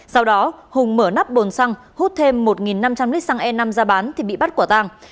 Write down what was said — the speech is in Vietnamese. sau đó hùng mở nắp bồn xăng hút thêm một năm trăm linh lít xăng e năm ra bán thì bị bắt quả tàng